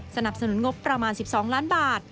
สนับสนุนงบประมาณ๑๒ล้านบาท